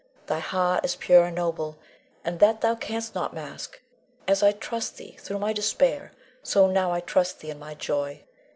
Thy heart is pure and noble, and that thou canst not mask. As I trusted thee through my despair, so now I trust thee in my joy.